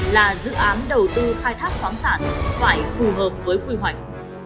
là dự án đầu tư khai thác khoáng sản phải phù hợp với quy hoạch